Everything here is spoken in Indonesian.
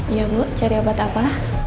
iya bu cari obat apa